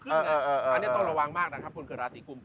อันนี้ต้องระวังมากนะครับคนเกิดราศีกุม